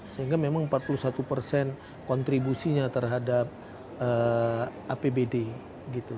sehingga memang empat puluh satu persen kontribusinya terhadap apbd gitu